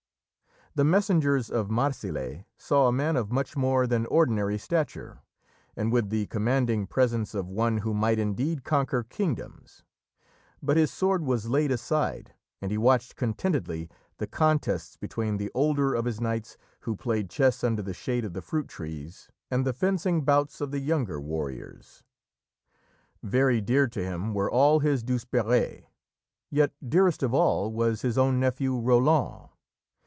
The messengers of Marsile saw a man of much more than ordinary stature and with the commanding presence of one who might indeed conquer kingdoms, but his sword was laid aside and he watched contentedly the contests between the older of his knights who played chess under the shade of the fruit trees, and the fencing bouts of the younger warriors. Very dear to him were all his Douzeperes, yet dearest of all was his own nephew, Roland.